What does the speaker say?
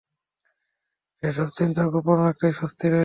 সেসব চিন্তা গোপন রাখাতেই স্বস্তি রয়েছে।